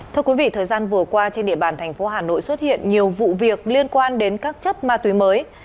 thưa quý vị thời gian vừa qua trên địa bàn thành phố hà nội xuất hiện nhiều vụ việc liên quan đến các chất ma túy mới